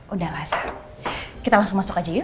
udah rasa kita langsung masuk aja yuk